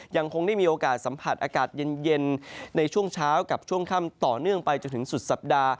ยังคงได้มีโอกาสสัมผัสอากาศเย็นในช่วงเช้ากับช่วงค่ำต่อเนื่องไปจนถึงสุดสัปดาห์